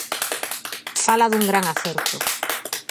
Fala dun gran acerto.